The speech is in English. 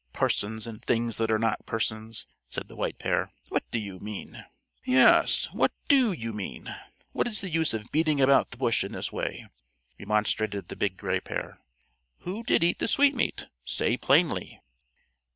Persons, and things that are not persons," said the White Pair; "what do you mean?" "Yes; what do you mean? What is the use of beating about the bush in this way?" remonstrated the Big Gray Pair. "Who did eat the sweetmeat? Say plainly."